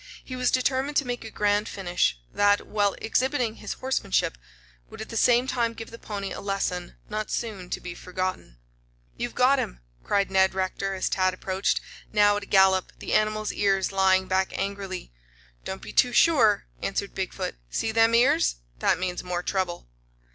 He was determined to make a grand finish that, while exhibiting his horsemanship, would at the same time give the pony a lesson not soon to be forgotten. "You've got him!" cried Ned Rector as Tad approached, now at a gallop, the animal's ears lying back angrily. "Don't be too sure," answered Big foot. "See them ears? That means more trouble."